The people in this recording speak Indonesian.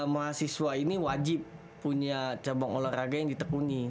mahasiswa ini wajib punya cabang olahraga yang ditekuni